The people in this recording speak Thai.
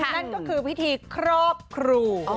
นั่นก็คือพิธีครอบครู